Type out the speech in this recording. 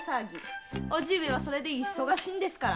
叔父上はそれで忙しいんですから！